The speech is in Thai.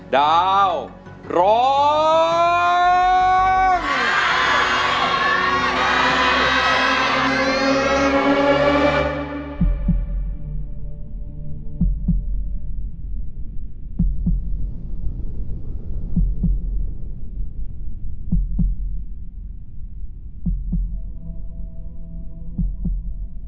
ดาวร้อง